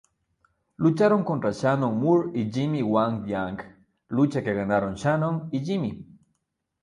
Lucharon contra Shannon Moore y Jimmy Wang Yang, lucha que ganaron Shannon y Jimmy.